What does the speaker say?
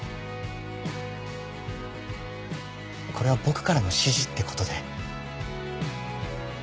これは僕からの指示って事で。